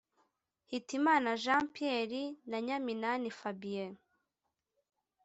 Hitimana Jean Pierre na Nyaminani Fabien